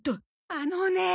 あのね。